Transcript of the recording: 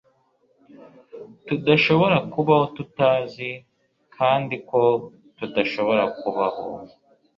tudashobora kubaho tutazi kandi ko tudashobora kubaho.